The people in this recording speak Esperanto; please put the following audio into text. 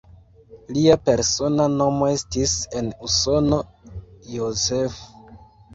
Lia persona nomo estis en Usono "Joseph".